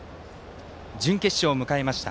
準決勝を迎えました